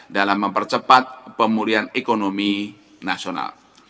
dalam mempercepat pemulihan ekonomi nasional